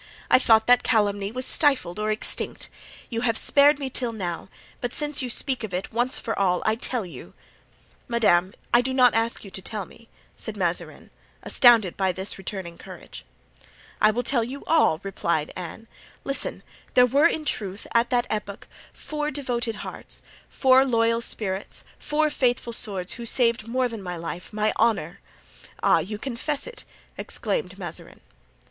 "I thought that calumny was stifled or extinct; you have spared me till now, but since you speak of it, once for all, I tell you——" "Madame, I do not ask you to tell me," said Mazarin, astounded by this returning courage. "I will tell you all," replied Anne. "Listen: there were in truth, at that epoch, four devoted hearts, four loyal spirits, four faithful swords, who saved more than my life—my honor——" "Ah! you confess it!" exclaimed Mazarin.